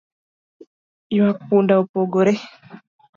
Ywak punda opogore